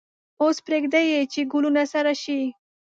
اوس پریږدئ چې ګلوله سړه شي.